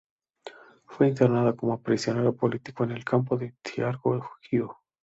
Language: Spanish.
Fue internado como prisionero político en el campo de Târgu Jiu.